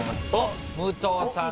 武藤さん